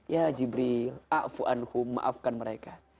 ya jibril maafkan mereka